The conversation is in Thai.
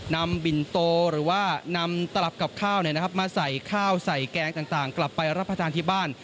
นำบินโตหรือว่านำตลับกับข้าวมาใส่ข้าวใส่แกงต่างกลับไปรับประทานที่บ้าน